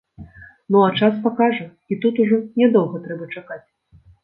Ну а час пакажа, і тут ўжо нядоўга трэба чакаць.